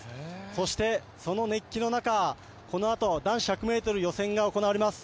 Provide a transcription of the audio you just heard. そしてその熱気の中、このあと男子１００ｍ予選が行われます。